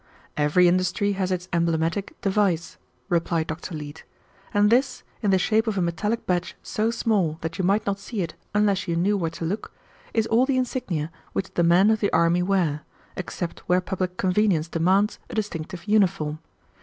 "Every industry has its emblematic device," replied Dr. Leete, "and this, in the shape of a metallic badge so small that you might not see it unless you knew where to look, is all the insignia which the men of the army wear, except where public convenience demands a distinctive uniform.